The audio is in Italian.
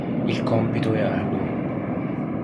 Il compito è arduo.